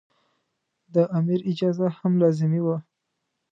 د امیر اجازه هم لازمي وه.